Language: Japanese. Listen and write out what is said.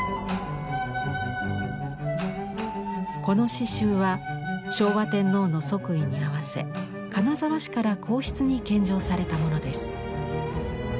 この刺しゅうは昭和天皇の即位にあわせ金沢市から皇室に献上されたものです。